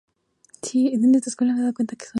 El avión era de una construcción de materiales mixtos.